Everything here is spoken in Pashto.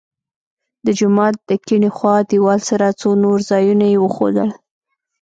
د جومات د کیڼې خوا دیوال سره څو نور ځایونه یې وښودل.